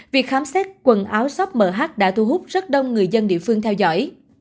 việc khám xét quần áo sốp mh đã thu hút rất đông người dân địa phương theo dõi